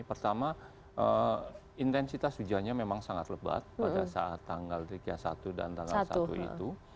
pertama intensitas hujannya memang sangat lebat pada saat tanggal tiga puluh satu dan tanggal satu itu